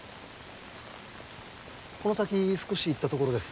この先少し行ったところです。